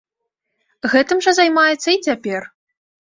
Гэтым жа займаецца і цяпер.